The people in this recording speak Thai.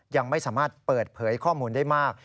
ยังไม่สามารถเปิดเผยข้อมูลได้มาก